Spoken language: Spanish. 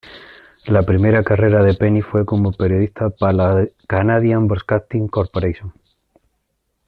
La primera carrera de Penny fue como periodista para la Canadian Broadcasting Corporation.